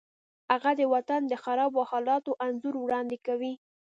هغه د وطن د خرابو حالاتو انځور وړاندې کوي